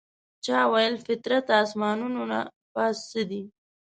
چا ویل فطرته اسمانونو نه پاس څه دي؟